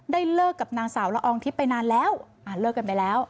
เลิกกับนางสาวละอองทิพย์ไปนานแล้วเลิกกันไปแล้ว